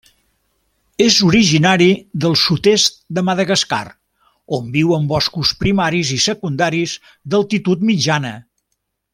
És originari del sud-est de Madagascar, on viu en boscos primaris i secundaris d'altitud mitjana.